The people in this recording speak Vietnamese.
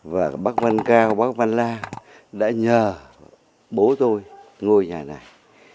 và bác văn cao bác văn lan đã nhờ bố tôi ngồi nhà này